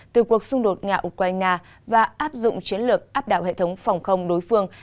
từ cuộc xung đột nga ukraine và áp dụng chiến lược áp đạo hệ thống phòng không đối phương